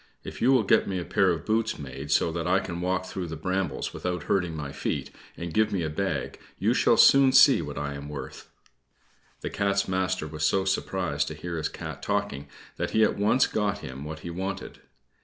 If you will get me a pair of boots made so that I can walk through the brambles without hurting my feet, and give me a bag, you shall soon see what I am worth." The Cat's master was so surprised to hear his Cat talking, that he at once got him what he wanted.